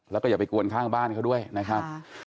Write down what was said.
แล้วก็อย่าไปกวนข้างบ้านเขาด้วยนะครับ